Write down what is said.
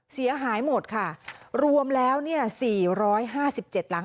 เสียหายหมดค่ะรวมแล้ว๔๕๗หลัง